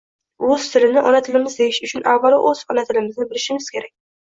Rus tilini ona tilimiz deyish uchun avval o‘z tilimizni bilishimiz kerak!